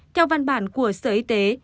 theo văn bản của sở y tế